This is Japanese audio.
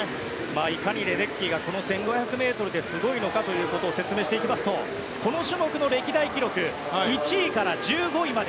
いかにレデッキーが１５００ｍですごいのかということを説明していきますとこの種目の歴代記録１位から１５位まで